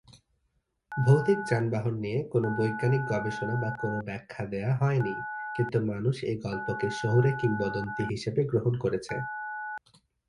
ভৌতিক যানবাহন নিয়ে কোন বৈজ্ঞানিক গবেষণা বা কোন ব্যখ্যা দেওয়া হয়নি কিন্তু মানুষ এই গল্পকে শহুরে কিংবদন্তী হিসেবে গ্রহণ করেছে।